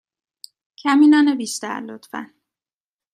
کمی نان بیشتر، لطفا.